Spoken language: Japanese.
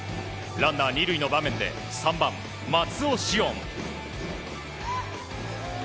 ランナー２塁の場面で３番、松尾汐恩。